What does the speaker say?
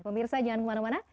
pemirsa jangan kemana mana